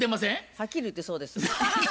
はっきり言ってそうです。